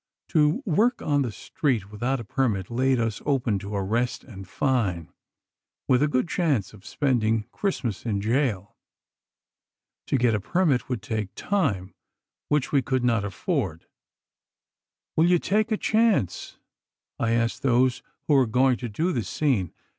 To work on the street without a permit laid us open to arrest and fine, with a good chance of spending Christmas in jail. To get a permit would take time, which we could not afford. 'Will you take a chance?' I asked those who were going to do the scene.